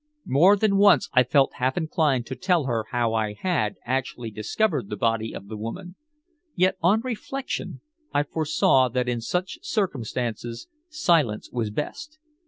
More than once I felt half inclined to tell her how I had actually discovered the body of the woman, yet on reflection I foresaw that in such circumstances silence was best.